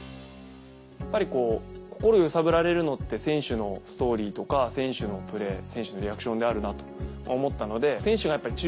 やっぱり心揺さぶられるのって選手のストーリーとか選手のプレー選手のリアクションであるなと思ったので。